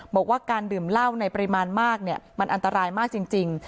บอกว่าการดื่มเหล้าในปริมาณมากมันอันตรายมากจริง